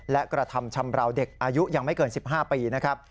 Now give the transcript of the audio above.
และกระทำชำราวเด็กอายุยังไม่เกิน๑๕ปีนะครับ